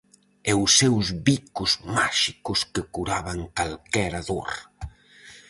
E os seus bicos máxicos que curaban calquera dor.